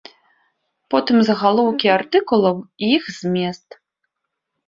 Потым загалоўкі артыкулаў і іх змест.